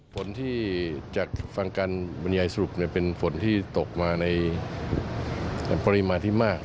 ฝนที่จากฟังการบรรยายสรุปเป็นฝนที่ตกมาในปริมาณที่มาก